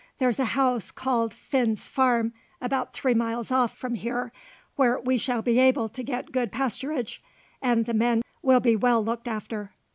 There's a house called Winn's Farm about three miles off from here, where we shall be able to get good pasturage, and the men will be well looked after."